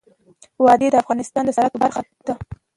وادي د افغانستان د صادراتو برخه ده.